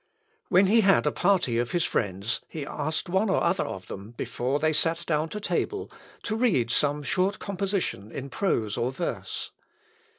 When he had a party of his friends, he asked one or other of them, before they sat down to table, to read some short composition in prose or verse.